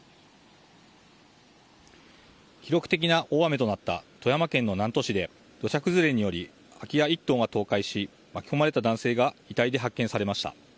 記録的な大雨となった富山県の南砺市で土砂崩れにより空き家１棟が倒壊し巻き込まれた男性が遺体で発見されました。